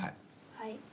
はい。